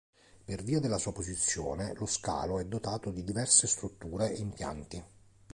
Per via della sua posizione, lo scalo è dotato di diverse strutture e impianti.